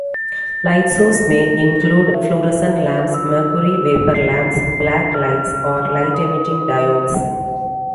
Light sources may include fluorescent lamps, mercury-vapor lamps, black lights, or light-emitting diodes.